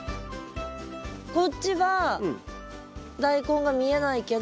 こっちはダイコンが見えないけど。